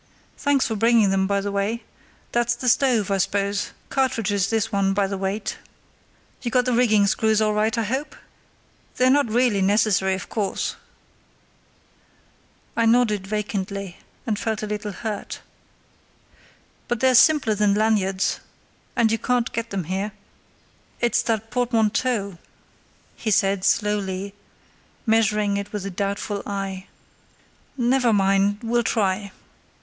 "Thanks for bringing them, by the way. That's the stove, I suppose; cartridges, this one, by the weight. You got the rigging screws all right, I hope? They're not really necessary, of course" (I nodded vacantly, and felt a little hurt); "but they're simpler than lanyards, and you can't get them here. It's that portmanteau," he said, slowly, measuring it with a doubtful eye. "Never mind! we'll try.